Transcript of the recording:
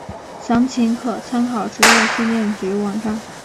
详情可参考职业训练局网站。